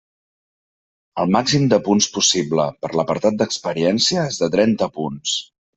El màxim de punts possible per l'apartat d'experiència és de trenta punts.